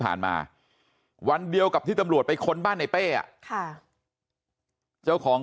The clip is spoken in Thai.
ผ่านมาวันเดียวกับที่ตำรวจไปค้นบ้านในเป้อ่ะค่ะเจ้าของ